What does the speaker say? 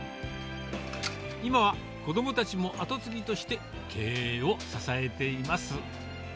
今は子どもたちも後継ぎとして経営を支えています。